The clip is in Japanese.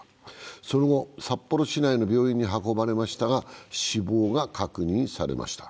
その後、札幌市内の病院に運ばれましたが死亡が確認されました。